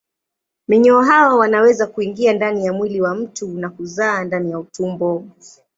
Minyoo hao wanaweza kuingia ndani ya mwili wa mtu na kuzaa ndani ya utumbo.